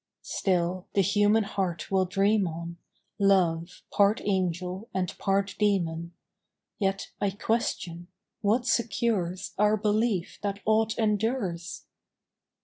Still the human heart will dream on Love, part angel and part demon; Yet, I question, what secures Our belief that aught endures?